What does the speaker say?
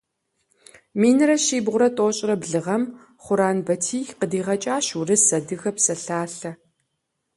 Минрэ щибгъурэ тӀощӀрэ блы гъэм Хъуран Батий къыдигъэкӀащ урыс-адыгэ псалъалъэ.